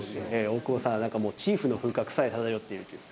大久保さんはチーフの風格さえ漂っているという。